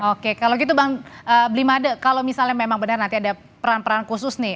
oke kalau gitu bang blimade kalau misalnya memang benar nanti ada peran peran khusus nih